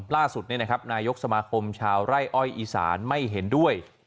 ล่าสุดนายกสมาคมชาวไร่อ้อยอีสานไม่เห็นด้วย